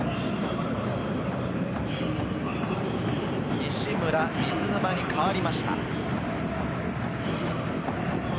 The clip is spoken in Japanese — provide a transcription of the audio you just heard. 西村、水沼に代わりました。